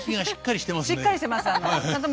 しっかりしてます。